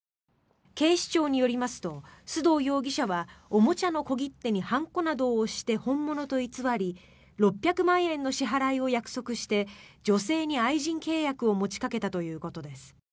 警視庁によりますと須藤容疑者はおもちゃの小切手に判子などを押して本物と偽り６００万円の支払いを約束して女性に愛人契約を持ちかけたということです。